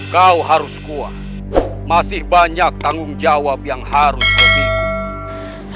kau harus kuat masih banyak tanggung jawab yang harus dipikun